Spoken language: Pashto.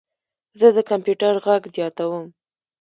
زه د کمپیوټر غږ زیاتوم.